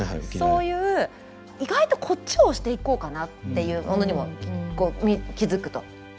そういう意外とこっちを推していこうかなっていうものにも気付くと。